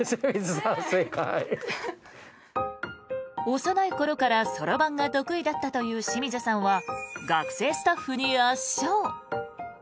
幼い頃からそろばんが得意だったという清水さんは学生スタッフに圧勝。